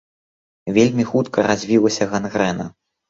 Вельмі хутка развілася гангрэна.